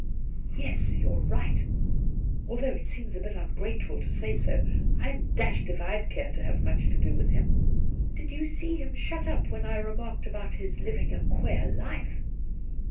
' Yes ; you're right. Although it seems a bit ungrateful to say so, I'm dashed if I'd care to have much to do with him. Did you see him shut up when I remarked about his living a queer life